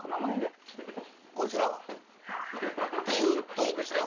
「こいつらは」ってトーンでしたよ